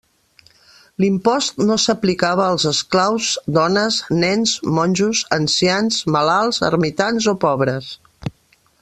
L'impost no s'aplicava als esclaus, dones, nens, monjos, ancians, malalts, ermitans o pobres.